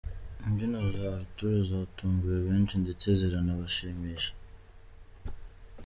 Imbyino za Arthur zatunguye benshi ndetse ziranabashimisha.